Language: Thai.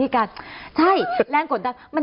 กฎดัน